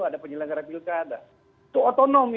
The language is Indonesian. ada penyelenggara pilkada itu otonomi